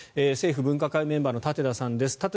政府分科会メンバーの舘田さんです。